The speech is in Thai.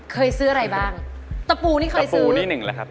เคยซื้ออะไรบ้างตะปูนี่เคยซื้อปูนี่หนึ่งแล้วครับ